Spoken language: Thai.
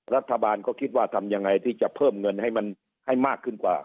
รัฐบาลก็คิดว่าทำยังไงที่จะเพิ่มเงินให้มันให้มากขึ้นกว่า